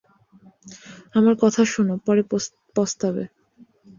আমার কথা শোনো পরে পস্তাবে।